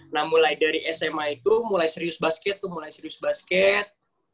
nah mulai dari sma itu mulai serius basket tuh mulai serius basket